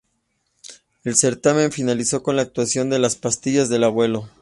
El certamen finalizó con la actuación de Las Pastillas del Abuelo.